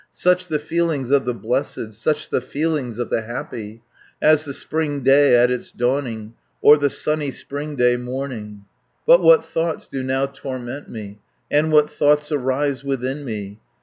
"Such the feelings of the blessed, Such the feelings of the happy; As the spring day at its dawning, Or the sunny spring day morning; But what thoughts do now torment me, And what thoughts arise within me?